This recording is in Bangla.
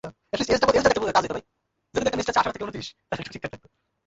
চুনি, ইহা আমার অনুরোধ বা উপদেশ নহে, ইহা তোর মাসিমার আদেশ।